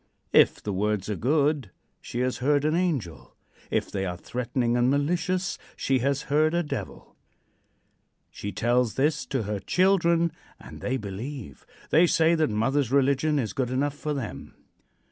If the words are good, she has heard an angel; if they are threatening and malicious, she has heard a devil. She tells this to her children and they believe. They say that mother's religion is good enough for them.